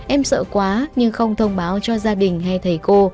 em sợ quá nhưng không thông báo cho gia đình hay thầy cô